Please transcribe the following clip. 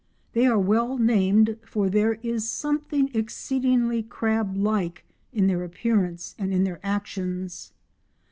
They are well named, for there is something exceedingly crab like in their appearance and in their actions.